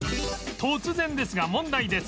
突然ですが問題です